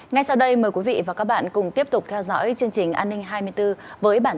ngay sau đây mời quý vị và các bạn cùng tiếp tục theo dõi chương trình an ninh hai mươi bốn với bản tin